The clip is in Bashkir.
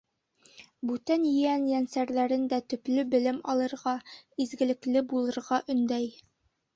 Бүтән ейән-ейәнсәрҙәрен дә төплө белем алырға, изгелекле булырға өндәй.